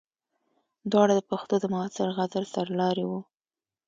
دواړه د پښتو د معاصر غزل سرلاري وو.